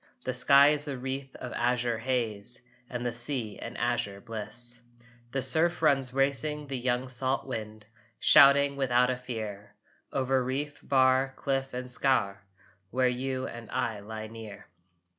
The sky is a wreath of azure haze And the sea an azure bliss. The surf runs racing the young salt wind, Shouting without a fear Over reef, bar, cliff and scaur, Where you and I lie near.